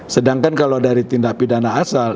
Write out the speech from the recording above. sedangkan kalau dari tindak pidana asal